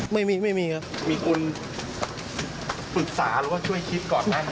ไม่มีไม่มีครับ